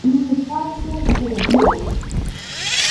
Mi infancia y juventud".